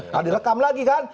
nah direkam lagi kan